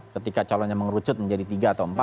ketika calonnya mengerucut menjadi tiga atau empat